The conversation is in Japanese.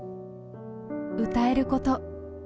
歌えること。